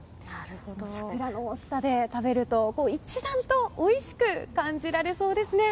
桜の下で食べると、一段とおいしく感じられそうですね。